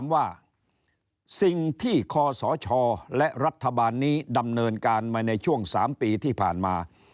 ว่าสิ่งที่คศและรัฐบาลนี้ดำเนินการมาในช่วง๓ปีที่ผ่านมา